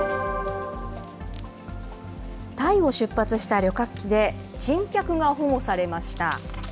タイを出発した旅客機で、珍客が保護されました。